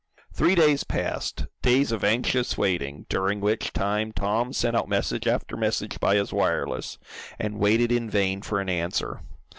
Three days passed, days of anxious waiting, during which time Tom sent out message after message by his wireless, and waited in vain for an answer.